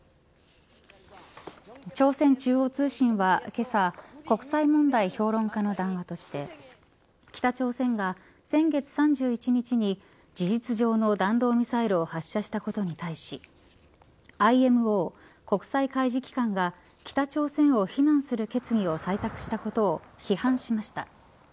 朝鮮中央通信は、けさ国際問題評論家の談話として北朝鮮が先月３１日に事実上の弾道ミサイルを発射したことに対しＩＭＯ、国際海事機関が北朝鮮を非難する決議を採択したことを批判しました。